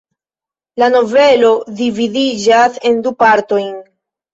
La novelo dividiĝas en du partojn.